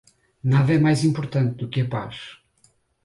Nada é mais importante do que a paz.